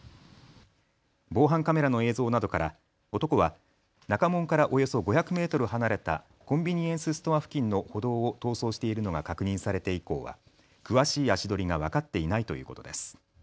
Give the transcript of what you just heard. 防犯カメラの映像などから男は中門からおよそ５００メートル離れたコンビニエンスストア付近の歩道を逃走しているのが確認されて以降は詳しい足取りが分かっていないということです。